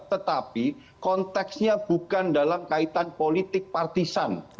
tetapi konteksnya bukan dalam kaitan politik partisan